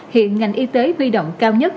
hiện ngành y tế huy động cao nhất